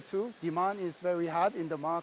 pembeliannya sangat keras di pasar